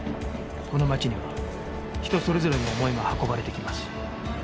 この街には人それぞれの思いが運ばれてきます